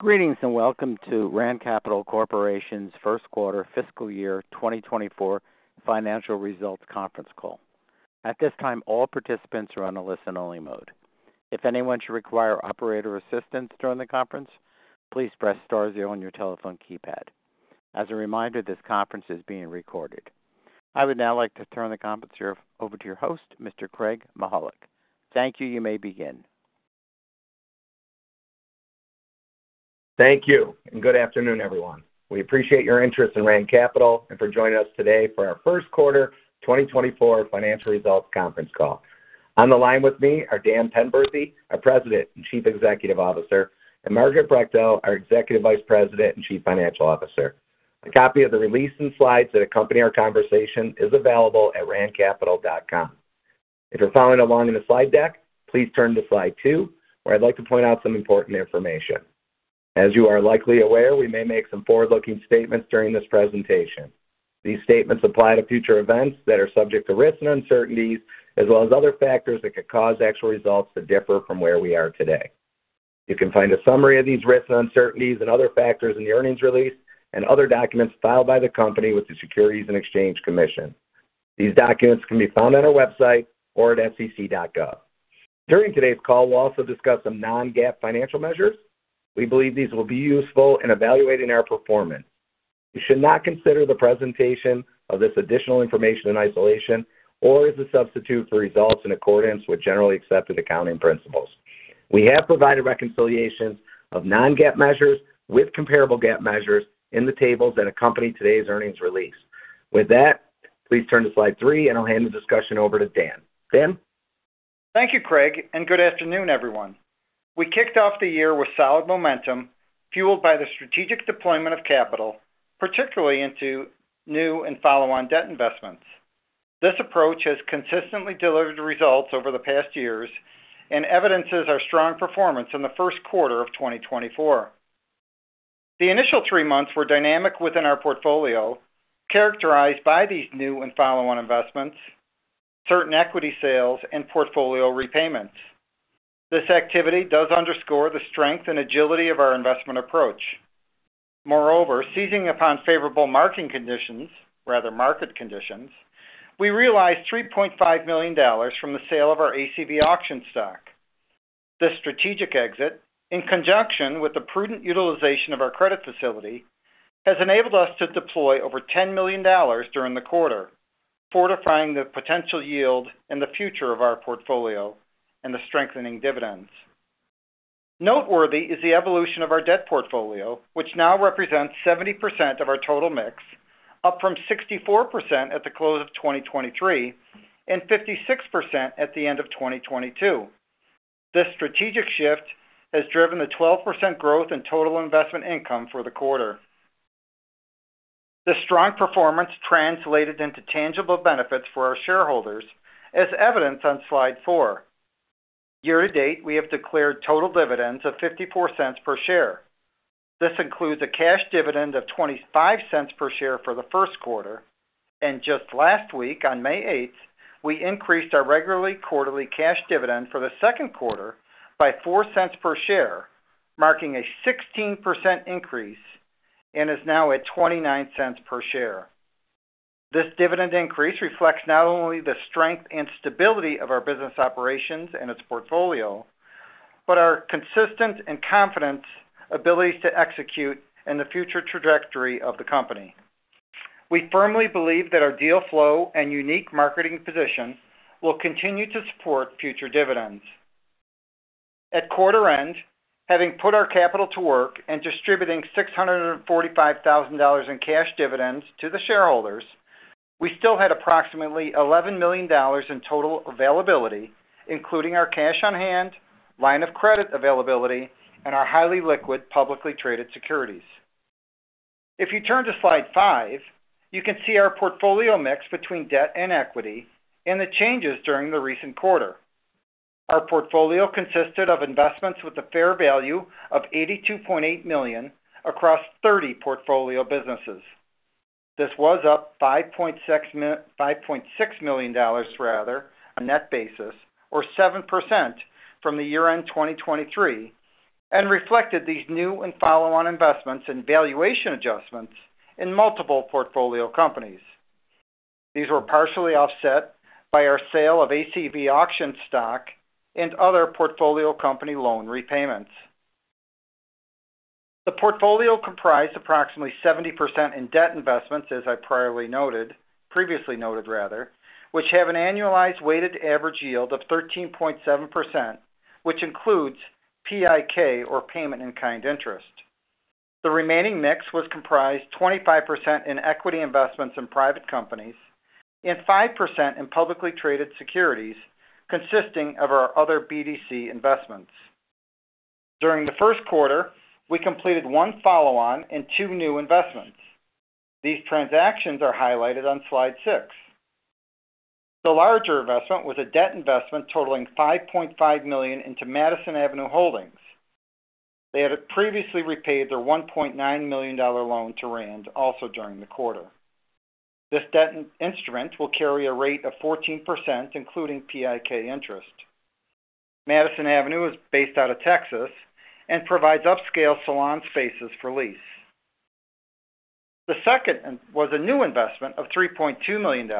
Greetings, and welcome to Rand Capital Corporation's Q1 fiscal year 2024 financial results conference call. At this time, all participants are on a listen-only mode. If anyone should require operator assistance during the conference, please press star zero on your telephone keypad. As a reminder, this conference is being recorded. I would now like to turn the conference over to your host, Mr. Craig Mahalik. Thank you. You may begin. Thank you, and good afternoon, everyone. We appreciate your interest in Rand Capital and for joining us today for our Q1 2024 financial results conference call. On the line with me are Dan Penberthy, our President and Chief Executive Officer, and Margaret Brechtel, our Executive Vice President and Chief Financial Officer. A copy of the release and slides that accompany our conversation is available at randcapital.com. If you're following along in the slide deck, please turn to slide two, where I'd like to point out some important information. As you are likely aware, we may make some forward-looking statements during this presentation. These statements apply to future events that are subject to risks and uncertainties, as well as other factors that could cause actual results to differ from where we are today. You can find a summary of these risks and uncertainties and other factors in the earnings release and other documents filed by the company with the Securities and Exchange Commission. These documents can be found on our website or at SEC.gov. During today's call, we'll also discuss some non-GAAP financial measures. We believe these will be useful in evaluating our performance. You should not consider the presentation of this additional information in isolation or as a substitute for results in accordance with generally accepted accounting principles. We have provided reconciliations of non-GAAP measures with comparable GAAP measures in the tables that accompany today's earnings release. With that, please turn to slide three, and I'll hand the discussion over to Dan. Dan? Thank you, Craig, and good afternoon, everyone. We kicked off the year with solid momentum, fueled by the strategic deployment of capital, particularly into new and follow-on debt investments. This approach has consistently delivered results over the past years and evidences our strong performance in the Q1 of 2024. The initial three months were dynamic within our portfolio, characterized by these new and follow-on investments, certain equity sales, and portfolio repayments. This activity does underscore the strength and agility of our investment approach. Moreover, seizing upon favorable marking conditions, rather, market conditions, we realized $3.5 million from the sale of our ACV Auctions stock. This strategic exit, in conjunction with the prudent utilization of our credit facility, has enabled us to deploy over $10 million during the quarter, fortifying the potential yield and the future of our portfolio and the strengthening dividends. Noteworthy is the evolution of our debt portfolio, which now represents 70% of our total mix, up from 64% at the close of 2023 and 56% at the end of 2022. This strategic shift has driven the 12% growth in total investment income for the quarter. The strong performance translated into tangible benefits for our shareholders, as evidenced on slide four. Year to date, we have declared total dividends of $0.54 per share. This includes a cash dividend of $0.25 per share for the Q1, and just last week, on May 8, we increased our regularly quarterly cash dividend for the Q2 by $0.04 per share, marking a 16% increase and is now at $0.29 per share. This dividend increase reflects not only the strength and stability of our business operations and its portfolio, but our consistent and confident abilities to execute in the future trajectory of the company. We firmly believe that our deal flow and unique marketing position will continue to support future dividends. At quarter end, having put our capital to work and distributing $645,000 in cash dividends to the shareholders, we still had approximately $11 million in total availability, including our cash on hand, line of credit availability, and our highly liquid, publicly traded securities. If you turn to slide five, you can see our portfolio mix between debt and equity and the changes during the recent quarter. Our portfolio consisted of investments with a fair value of $82.8 million across 30 portfolio businesses. This was up $5.6 million, rather, on net basis or 7% from the year-end 2023 and reflected these new and follow-on investments and valuation adjustments in multiple portfolio companies. These were partially offset by our sale of ACV Auctions stock and other portfolio company loan repayments. The portfolio comprised approximately 70% in debt investments, as I previously noted, rather, which have an annualized weighted average yield of 13.7%, which includes PIK or payment in kind interest. The remaining mix was comprised 25% in equity investments in private companies and 5% in publicly traded securities, consisting of our other BDC investments. During the Q1, we completed 1 follow-on and 2 new investments. These transactions are highlighted on slide six. The larger investment was a debt investment totaling $5.5 million into Mattison Avenue Holdings. They had previously repaid their $1.9 million loan to Rand also during the quarter. This debt instrument will carry a rate of 14%, including PIK interest. Mattison Avenue is based out of Texas and provides upscale salon spaces for lease. The second was a new investment of $3.2 million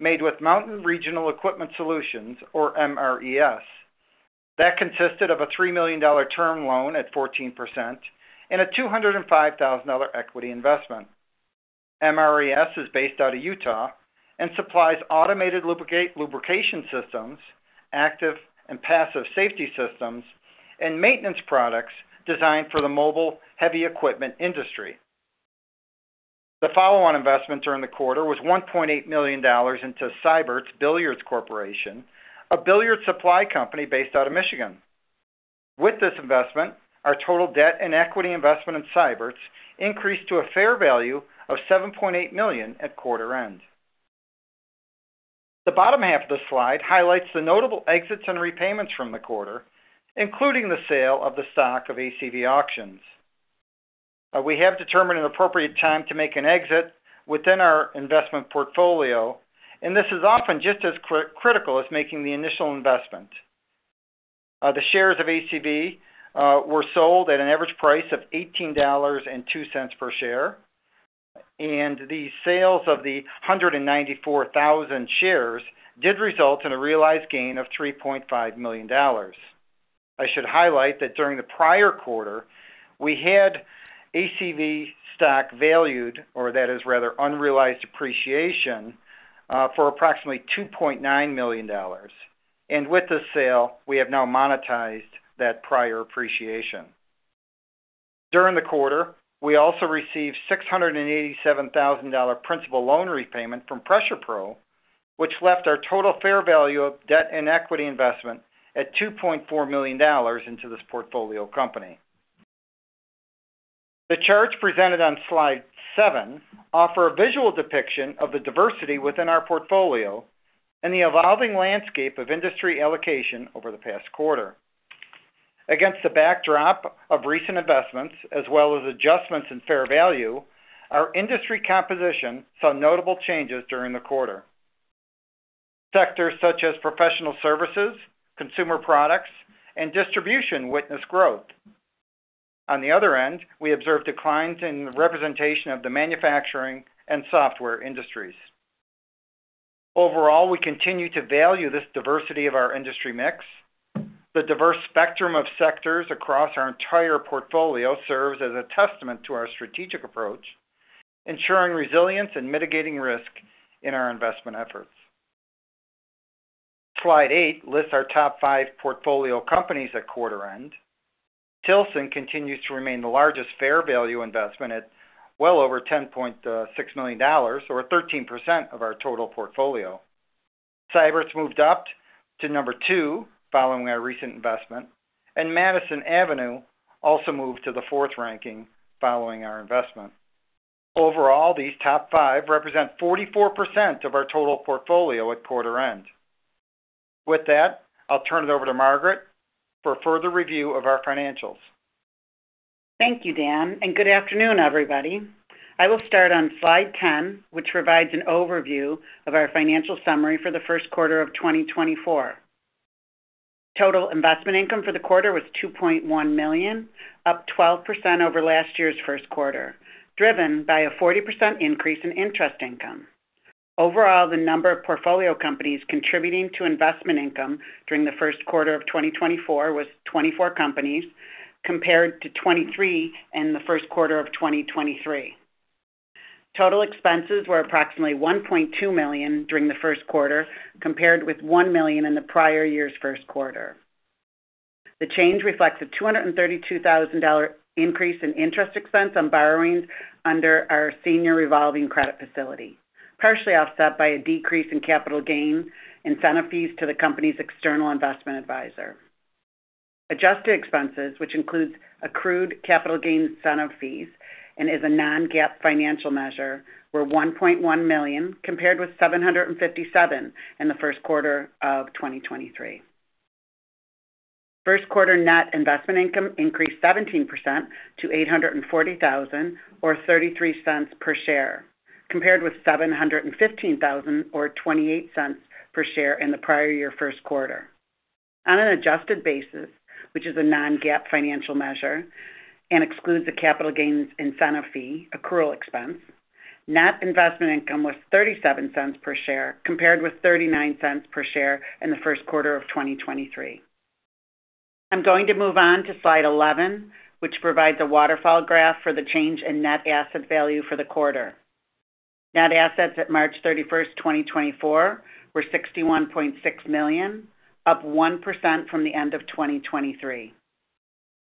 made with Mountain Regional Equipment Solutions, or MRES. That consisted of a $3 million term loan at 14% and a $205,000 equity investment. MRES is based out of Utah and supplies automated lubrication systems, active and passive safety systems, and maintenance products designed for the mobile heavy equipment industry. The follow-on investment during the quarter was $1.8 million into Seybert's Billiards Corporation, a billiards supply company based out of Michigan. With this investment, our total debt and equity investment in Seybert's increased to a fair value of $7.8 million at quarter end. The bottom half of this slide highlights the notable exits and repayments from the quarter, including the sale of the stock of ACV Auctions. We have determined an appropriate time to make an exit within our investment portfolio, and this is often just as critical as making the initial investment. The shares of ACV were sold at an average price of $18.02 per share, and the sales of the 194,000 shares did result in a realized gain of $3.5 million. I should highlight that during the prior quarter, we had ACV stock valued, or that is rather unrealized appreciation, for approximately $2.9 million. With this sale, we have now monetized that prior appreciation. During the quarter, we also received $687,000 principal loan repayment from Pressure-Pro, which left our total fair value of debt and equity investment at $2.4 million into this portfolio company. The charts presented on slide seven offer a visual depiction of the diversity within our portfolio and the evolving landscape of industry allocation over the past quarter. Against the backdrop of recent investments, as well as adjustments in fair value, our industry composition saw notable changes during the quarter. Sectors such as professional services, consumer products, and distribution witnessed growth. On the other end, we observed declines in the representation of the manufacturing and software industries. Overall, we continue to value this diversity of our industry mix. The diverse spectrum of sectors across our entire portfolio serves as a testament to our strategic approach, ensuring resilience and mitigating risk in our investment efforts. Slide eight lists our top five portfolio companies at quarter end. Tilson continues to remain the largest fair value investment at well over $10.6 million or 13% of our total portfolio. Seybert's moved up to number 2 following our recent investment, and Mattison Avenue also moved to the 4th ranking following our investment. Overall, these top 5 represent 44% of our total portfolio at quarter end. With that, I'll turn it over to Margaret for further review of our financials. Thank you, Dan, and good afternoon, everybody. I will start on slide 10, which provides an overview of our financial summary for the Q1 of 2024. Total investment income for the quarter was $2.1 million, up 12% over last year's Q1, driven by a 40% increase in interest income. Overall, the number of portfolio companies contributing to investment income during the Q1 of 2024 was 24 companies, compared to 23 in the Q1 of 2023. Total expenses were approximately $1.2 million during the Q1, compared with $1 million in the prior year's Q1. The change reflects a $232,000 increase in interest expense on borrowings under our senior revolving credit facility, partially offset by a decrease in capital gain incentive fees to the company's external investment advisor. Adjusted expenses, which includes accrued capital gain incentive fees and is a non-GAAP financial measure, were $1.1 million, compared with $757,000 in the Q1 of 2023. Q1 net investment income increased 17% to $840,000, or $0.33 per share, compared with $715,000, or $0.28 per share in the prior year Q1. On an adjusted basis, which is a non-GAAP financial measure and excludes the capital gains incentive fee accrual expense, net investment income was $0.37 per share, compared with $0.39 per share in the Q1 of 2023. I'm going to move on to slide 11, which provides a waterfall graph for the change in net asset value for the quarter. Net assets at March 31, 2024, were $61.6 million, up 1% from the end of 2023.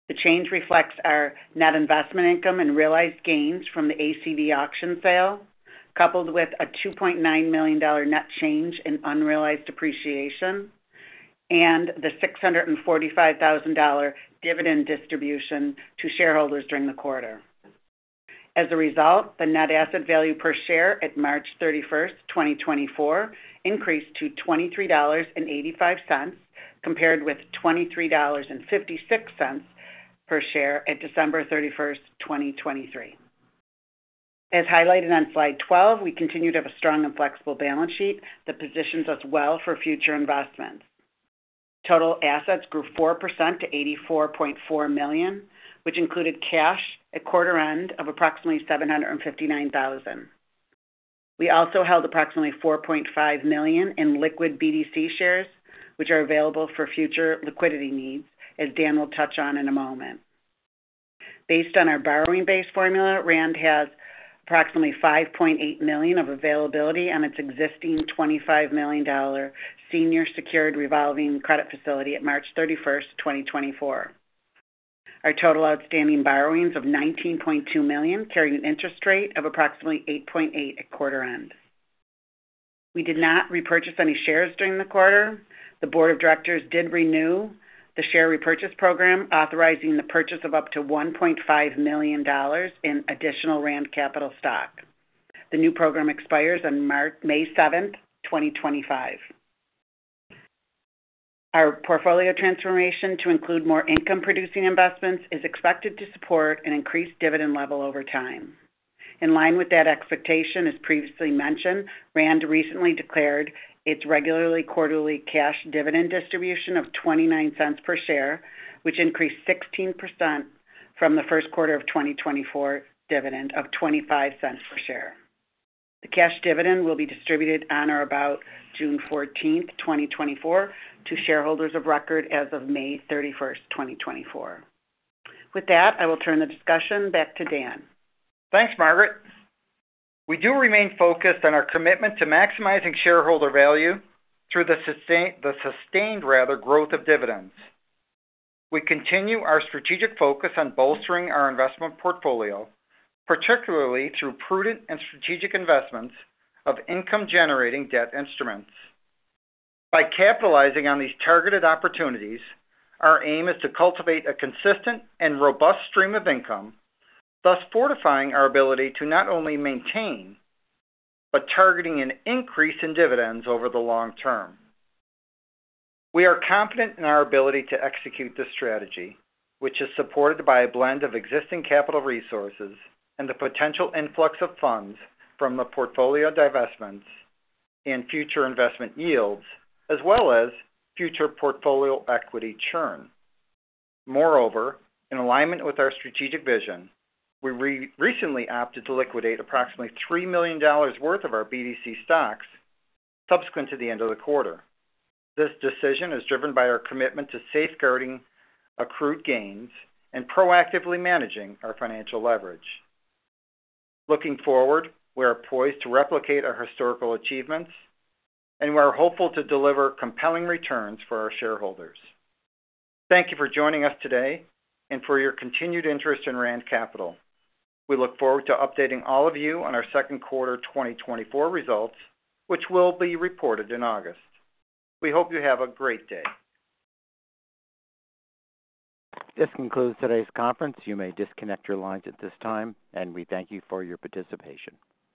The change reflects our net investment income and realized gains from the ACV Auctions sale, coupled with a $2.9 million net change in unrealized appreciation and the $645,000 dividend distribution to shareholders during the quarter. As a result, the net asset value per share at March 31, 2024, increased to $23.85, compared with $23.56 per share at December 31, 2023. As highlighted on slide 12, we continue to have a strong and flexible balance sheet that positions us well for future investments. Total assets grew 4% to $84.4 million, which included cash at quarter end of approximately $759,000. We also held approximately $4.5 million in liquid BDC shares, which are available for future liquidity needs, as Dan will touch on in a moment. Based on our borrowing base formula, Rand has approximately $5.8 million of availability on its existing $25 million senior secured revolving credit facility at March 31st, 2024. Our total outstanding borrowings of $19.2 million carry an interest rate of approximately 8.8% at quarter end. We did not repurchase any shares during the quarter. The board of directors did renew the share repurchase program, authorizing the purchase of up to $1.5 million in additional RAND Capital stock. The new program expires on May 7th, 2025. Our portfolio transformation to include more income-producing investments is expected to support an increased dividend level over time. In line with that expectation, as previously mentioned, Rand recently declared its regular quarterly cash dividend distribution of $0.29 per share, which increased 16% from the Q1 of 2024 dividend of $0.25 per share. The cash dividend will be distributed on or about June 14th, 2024, to shareholders of record as of May 31st, 2024. With that, I will turn the discussion back to Dan. Thanks, Margaret. We do remain focused on our commitment to maximizing shareholder value through the sustained rather growth of dividends. We continue our strategic focus on bolstering our investment portfolio, particularly through prudent and strategic investments of income-generating debt instruments. By capitalizing on these targeted opportunities, our aim is to cultivate a consistent and robust stream of income, thus fortifying our ability to not only maintain, but targeting an increase in dividends over the long term. We are confident in our ability to execute this strategy, which is supported by a blend of existing capital resources and the potential influx of funds from the portfolio divestments and future investment yields, as well as future portfolio equity churn. Moreover, in alignment with our strategic vision, we recently opted to liquidate approximately $3 million worth of our BDC stocks subsequent to the end of the quarter. This decision is driven by our commitment to safeguarding accrued gains and proactively managing our financial leverage. Looking forward, we are poised to replicate our historical achievements, and we are hopeful to deliver compelling returns for our shareholders. Thank you for joining us today and for your continued interest in Rand Capital. We look forward to updating all of you on our Q2 2024 results, which will be reported in August. We hope you have a great day. This concludes today's conference. You may disconnect your lines at this time, and we thank you for your participation.